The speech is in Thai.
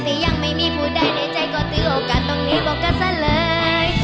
แต่ยังไม่มีผู้ใดในใจก็ติวโอกาสตรงนี้บอกกันซะเลย